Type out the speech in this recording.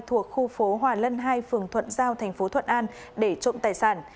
thuộc khu phố hòa lân hai phường thuận giao tp thuận an để trộm tài sản